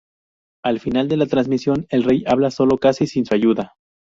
Al final de la transmisión, el rey habla solo, casi sin su ayuda.